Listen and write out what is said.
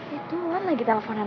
itu luan lagi teleponan sama siapa